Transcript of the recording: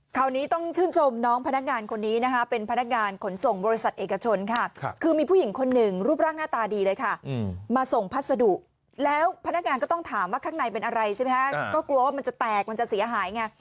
คราวนี้ต้องชื่นชมน้องพนักงานคนนี้นะคะเป็นพนักงานขนส่งบริษัทเอกชนค่ะคือมีผู้หญิงคนหนึ่งรูปร่างหน้าตาดีเลยค่ะมาส่งพัสดุแล้วพนักงานก็ต้องถามว่าข้างในเป็นอะไรใช่ไหมคะก็กลัวว่ามันจะแตกมันจะเสียหายไง